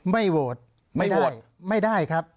ไม่โหวตไม่ได้ครับ